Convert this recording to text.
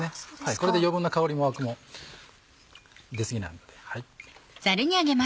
これで余分な香りもアクも出過ぎないので。